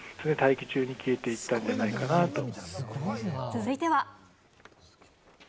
続いては。